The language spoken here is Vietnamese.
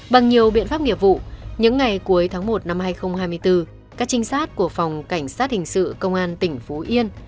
bằng nhiều biện pháp nghiệp vụ những ngày cuối tháng một năm hai nghìn hai mươi bốn các trinh sát của phòng cảnh sát hình sự công an tỉnh phú yên